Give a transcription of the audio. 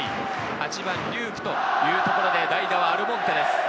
８番・龍空というところで代打はアルモンテです。